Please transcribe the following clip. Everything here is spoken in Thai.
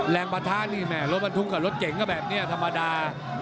แรงประทานนี่แหมรถบรรทุงของรถเก่งก็แบบเนี้ยธรรมดา